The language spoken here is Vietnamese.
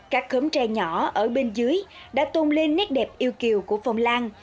các khóm tre nhỏ ở bên dưới đã tôn lên nét đẹp yêu kiều của phòng lan